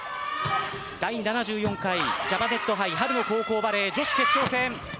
第７４回ジャパネット杯春の高校バレー女子決勝戦。